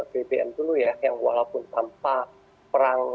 bbm dulu ya yang walaupun tanpa perang